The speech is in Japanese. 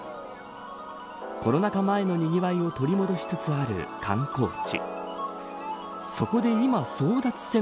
コロナ禍前のにぎわいを取り戻しつつある観光地。